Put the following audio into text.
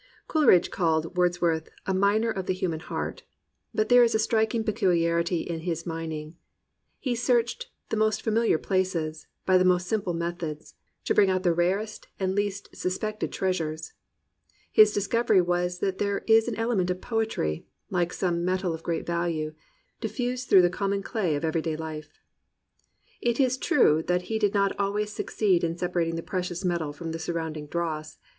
Coleridge called Wordsworth "a miner of the human heart." But there is a striking peculiarity in his mining: he searched the most familiar places, by the most simple methods, to bring out the rarest and least suspected treasures. His discovery was that there is an element of poetry, like some metal of great value, diffused through the common clay of every day life. It is true that he did not always succeed in sepa rating the precious metal from the surrounding dross.